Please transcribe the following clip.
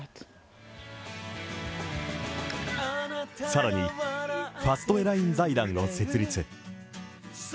更に、ファスト・エライン財団を設立。